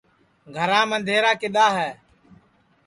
گھرام اندھیرا کِدؔا ہے